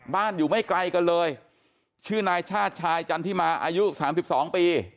อยู่ไม่ไกลกันเลยชื่อนายชาติชายจันทิมาอายุ๓๒ปี